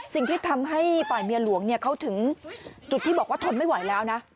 สิ่งที่ทำให้ฝ่ายเมียหลวงเขาถึงจุดที่บอกว่าทนไม่ไหวแล้วนะ